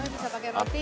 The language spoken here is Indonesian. bisa pakai roti